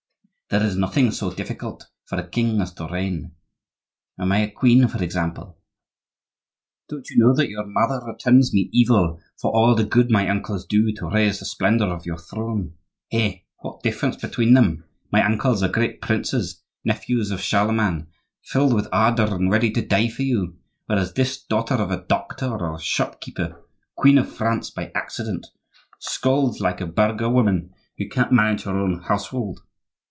There is nothing so difficult for a king as to reign. Am I a queen, for example? Don't you know that your mother returns me evil for all the good my uncles do to raise the splendor of your throne? Hey! what difference between them! My uncles are great princes, nephews of Charlemagne, filled with ardor and ready to die for you; whereas this daughter of a doctor or a shopkeeper, queen of France by accident, scolds like a burgher woman who can't manage her own household.